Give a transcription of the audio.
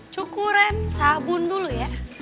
cukuran sabun dulu ya